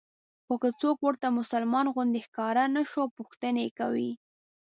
خو که څوک ورته مسلمان غوندې ښکاره نه شو پوښتنې کوي.